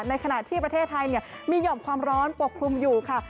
ในขณะที่ประเทศไทยมีหย่อมความร้อนปกคลุมอยู่ค่ะ